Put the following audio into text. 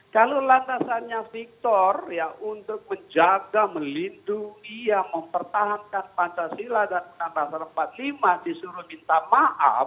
kalau lantasannya victor ya untuk menjaga melindungi ya mempertahankan pancasila dan tantasan empat puluh lima disuruh minta maaf